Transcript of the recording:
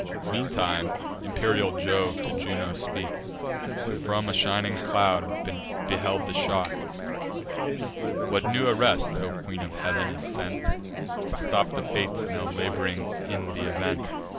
Meantime imperial Jove to Juno spoke, Who from a shining cloud beheld the shock: "What new arrest, O Queen of Heav'n, is sent To stop the Fates now lab'ring in th' event?